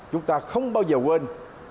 chúng ta không bao giờ quên